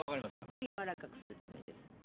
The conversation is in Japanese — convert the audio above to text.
これはやわらかくするためです。